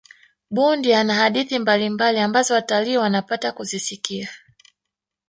bundi ana hadithi mbalimbali ambazo watalii wanapata kuzisikia